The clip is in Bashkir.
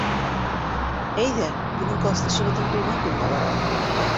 Әйҙә, бөгөн класташыбыҙҙың тыуған көнөнә барабыҙ.